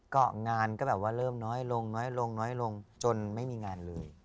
ก็งานก็แบบว่าเริ่มน้อยลงน้อยลงน้อยลงจนไม่มีงานเลย